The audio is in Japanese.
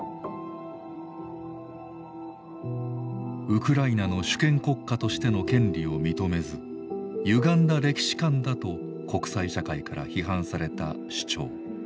ウクライナの主権国家としての権利を認めずゆがんだ歴史観だと国際社会から批判された主張。